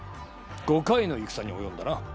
５回の戦におよんだな。